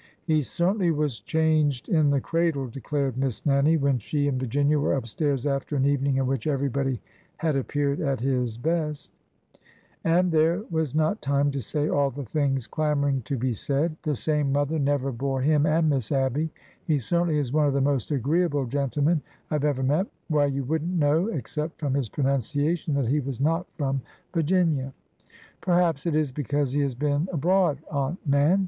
'' He certainly was changed in the cradle !" declared Miss Nannie when she and Virginia were up stairs after an evening in which everybody had appeared at his best, and there was not time to say all the things clamoring to be said. The same mother never bore him and Miss Abby! He certainly is one of the most agreeable gen tlemen I have ever met. Why, you would n't know, ex cept from his pronunciation, that he was not from Vir ginia." Perhaps it is because he has been abroad, Aunt Nan."